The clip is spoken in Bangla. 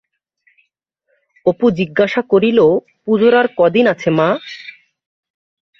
অপু জিজ্ঞাসা করিল-পুজোর আর কদিন আছে, মা?